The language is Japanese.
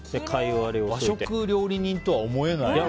和食料理人とは思えない。